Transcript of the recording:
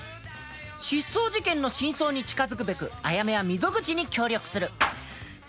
失踪事件の真相に近づくべくあやめは溝口に協力する。